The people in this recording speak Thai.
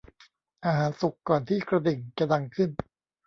อาหารสุกก่อนที่กระดิ่งจะดังขึ้น